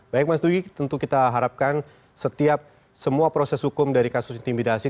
baik mas dugi tentu kita harapkan setiap semua proses hukum dari kasus intimidasi